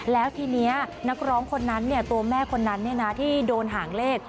แล้วทีนี้นักร้องคนนั้นตัวแม่คนนั้นที่โดนหางเลข